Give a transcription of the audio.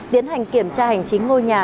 tiến hành kiểm tra hành chính ngôi nhà